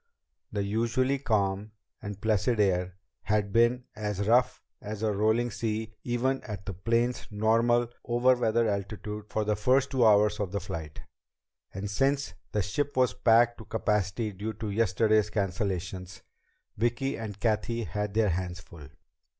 The usually calm and placid air had been as rough as a rolling sea even at the plane's normal "over weather" altitude for the first two hours of the flight; and since the ship was packed to capacity due to yesterday's cancellations, Vicki and Cathy had their hands full.